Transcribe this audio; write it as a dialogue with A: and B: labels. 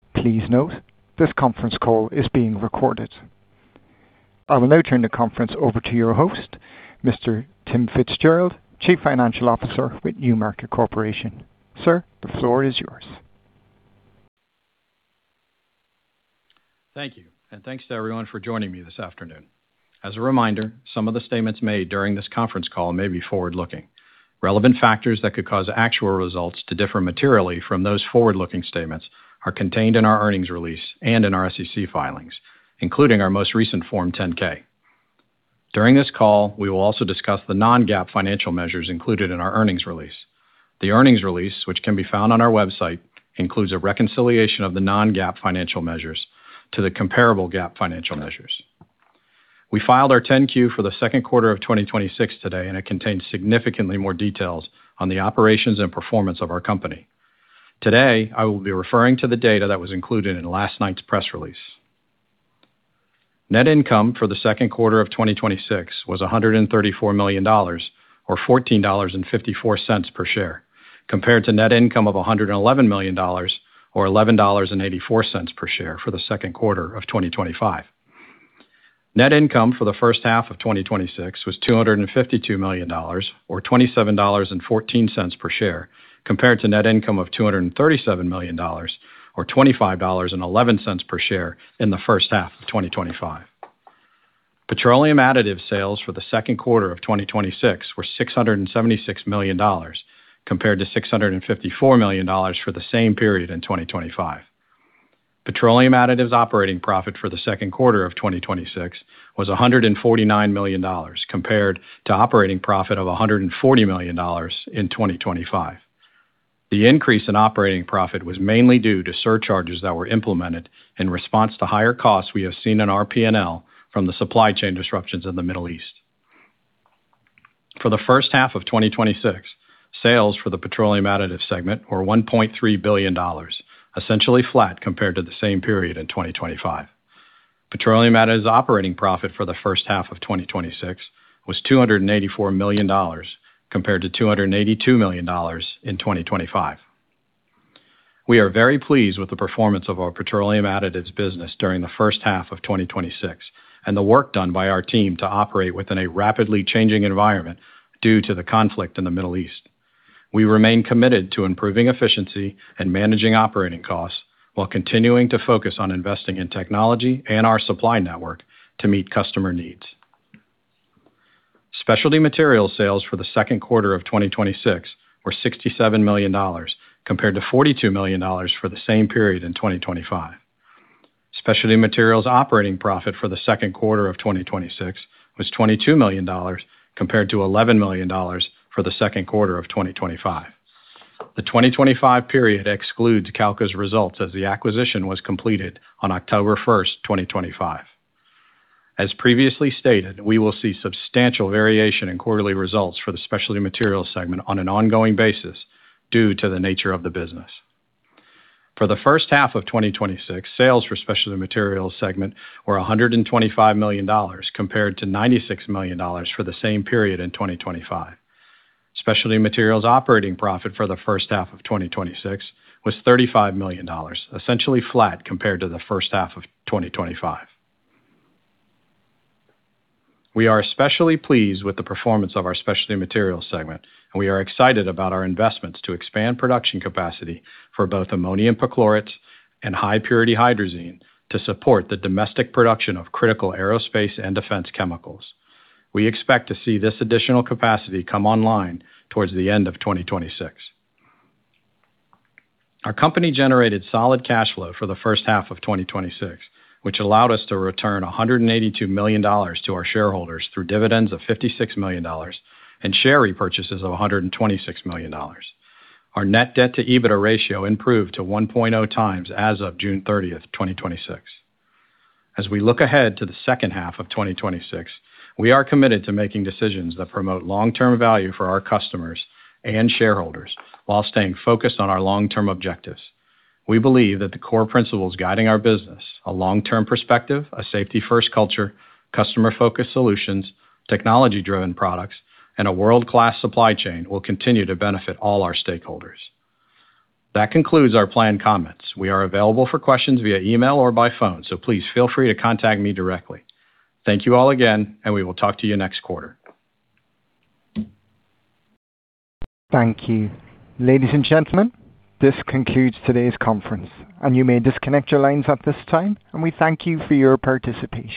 A: Please note, this conference call is being recorded. I will now turn the conference over to your host, Mr. Tim Fitzgerald, Chief Financial Officer with NewMarket Corporation. Sir, the floor is yours.
B: Thank you. Thanks to everyone for joining me this afternoon. As a reminder, some of the statements made during this conference call may be forward-looking. Relevant factors that could cause actual results to differ materially from those forward-looking statements are contained in our earnings release and in our SEC filings, including our most recent Form 10-K. During this call, we will also discuss the non-GAAP financial measures included in our earnings release. The earnings release, which can be found on our website, includes a reconciliation of the non-GAAP financial measures to the comparable GAAP financial measures. We filed our 10-Q for the second quarter of 2026 today. It contains significantly more details on the operations and performance of our company. Today, I will be referring to the data that was included in last night's press release. Net income for the second quarter of 2026 was $134 million, or $14.54 per share, compared to net income of $111 million, or $11.84 per share, for the second quarter of 2025. Net income for the first half of 2026 was $252 million, or $27.14 per share, compared to net income of $237 million, or $25.11 per share, in the first half of 2025. Petroleum Additives sales for the second quarter of 2026 were $676 million, compared to $654 million for the same period in 2025. Petroleum Additives operating profit for the second quarter of 2026 was $149 million, compared to operating profit of $140 million in 2025. The increase in operating profit was mainly due to surcharges that were implemented in response to higher costs we have seen in our P&L from the supply chain disruptions in the Middle East. For the first half of 2026, sales for the Petroleum Additives segment were $1.3 billion, essentially flat compared to the same period in 2025. Petroleum Additives operating profit for the first half of 2026 was $284 million, compared to $282 million in 2025. We are very pleased with the performance of our Petroleum Additives business during the first half of 2026 and the work done by our team to operate within a rapidly changing environment due to the conflict in the Middle East. We remain committed to improving efficiency and managing operating costs while continuing to focus on investing in technology and our supply network to meet customer needs. Specialty Materials sales for the second quarter of 2026 were $67 million, compared to $42 million for the same period in 2025. Specialty Materials operating profit for the second quarter of 2026 was $22 million, compared to $11 million for the second quarter of 2025. The 2025 period excludes Calca's results as the acquisition was completed on October 1st, 2025. As previously stated, we will see substantial variation in quarterly results for the Specialty Materials segment on an ongoing basis due to the nature of the business. For the first half of 2026, sales for the Specialty Materials segment were $125 million, compared to $96 million for the same period in 2025. Specialty Materials operating profit for the first half of 2026 was $35 million, essentially flat compared to the first half of 2025. We are especially pleased with the performance of our Specialty Materials segment. We are excited about our investments to expand production capacity for both ammonium perchlorate and high-purity hydrazine to support the domestic production of critical aerospace and defense chemicals. We expect to see this additional capacity come online towards the end of 2026. Our company generated solid cash flow for the first half of 2026, which allowed us to return $182 million to our shareholders through dividends of $56 million and share repurchases of $126 million. Our net debt-to-EBITDA ratio improved to 1.0x as of June 30th, 2026. As we look ahead to the second half of 2026, we are committed to making decisions that promote long-term value for our customers and shareholders while staying focused on our long-term objectives. We believe that the core principles guiding our business, a long-term perspective, a safety-first culture, customer-focused solutions, technology-driven products, and a world-class supply chain will continue to benefit all our stakeholders. That concludes our planned comments. We are available for questions via email or by phone, please feel free to contact me directly. Thank you all again, we will talk to you next quarter.
A: Thank you. Ladies and gentlemen, this concludes today's conference. You may disconnect your lines at this time. We thank you for your participation.